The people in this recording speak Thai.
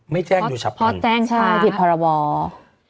ไม่แจ้งอยู่ชะพันธุ์ผิดภาระบอร์ค่ะพอแจ้งค่ะ